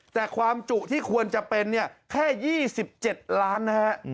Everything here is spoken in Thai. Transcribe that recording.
แต่ความจุที่ควรจะเป็นเนี่ยแค่๒๗ล้านนะฮะ